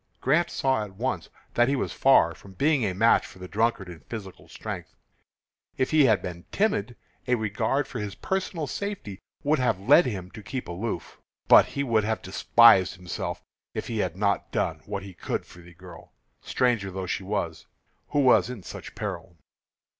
Grant saw at once that he was far from being a match for the drunkard in physical strength. If he had been timid, a regard for his personal safety would have led him to keep aloof. But he would have despised himself if he had not done what he could for the girl stranger though she was who was in such peril.